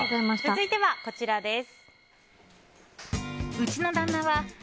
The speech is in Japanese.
続いては、こちらです。